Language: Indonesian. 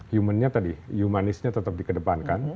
human nya tadi humanis nya tetap dikedepankan